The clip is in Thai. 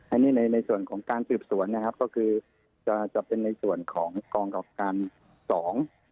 อันนี้ในในส่วนของการสืบสวนนะครับก็คือจะจะเป็นในส่วนของกองกับการสอง